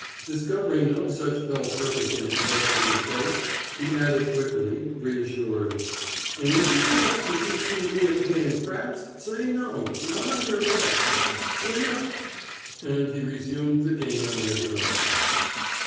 Discovering no such fell purpose in his questioner's face, he added quickly, reassured: "And if he asks if you seed me a playing craps, say no, not on yer life, boss, will yer?" And he resumed the game where he left off.